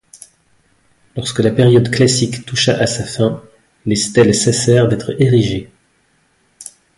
Lorsque la période classique toucha à sa fin, les stèles cessèrent d'être érigées.